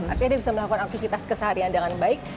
artinya dia bisa melakukan aktivitas keseharian dengan baik